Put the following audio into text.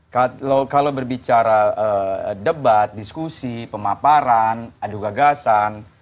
kalau berbicara debat diskusi pemaparan adu gagasan